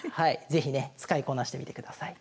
是非ね使いこなしてみてください。